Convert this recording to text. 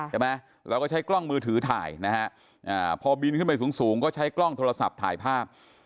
ใช่ไหมเราก็ใช้กล้องมือถือถ่ายนะฮะพอบินขึ้นไปสูงสูงก็ใช้กล้องโทรศัพท์ถ่ายภาพ